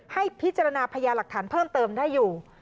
ให้พิจารณาพญาหลักฐานเพิ่มเติมได้อยู่